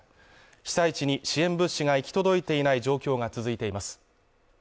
被災地に支援物資が行き届いていない状況が続いています。